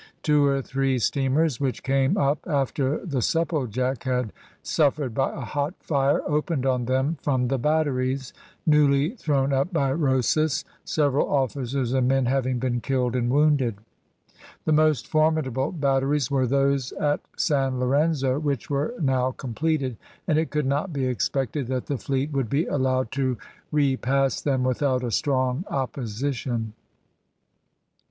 Two or three steamers, which came up after the Supplejack had suffered by a hot fire, opened on them from the batteries, newly thrown up by Rosas, several officers and men having been killed and wounded. The most formidable batteries were those at San Lorenzo, which were now completed, and it could not be expected that the fleet would be allowed to repass them without a strong opposition.